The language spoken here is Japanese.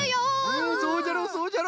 うんそうじゃろそうじゃろ。